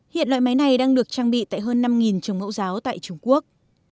hiện loại máy này đang được trang bị tại hơn năm trường mẫu giáo tại trung quốc